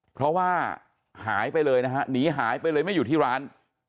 เพราะว่าหายไปเลยนะฮะหนีหายไปเลยไม่อยู่ที่ร้าน